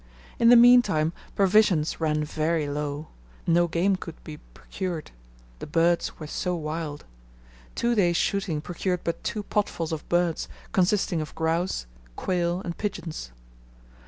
In the meantime provisions ran very low, no game could be procured, the birds were so wild. Two days shooting procured but two potfuls of birds, consisting of grouse, quail, and pigeons.